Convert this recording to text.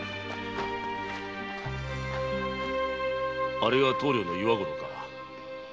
あれが棟梁の岩五郎か。